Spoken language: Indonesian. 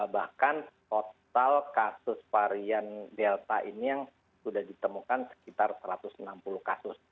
bahkan total kasus varian delta ini yang sudah ditemukan sekitar satu ratus enam puluh kasus